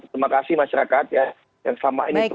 terima kasih masyarakat ya yang selama ini